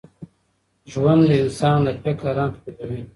ژوند د انسان د فکر رنګ خپلوي.